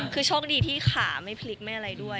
คือโชคดีที่ขาไม่พลิกไม่อะไรด้วย